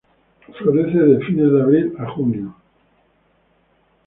Florece de fines de abril a junio.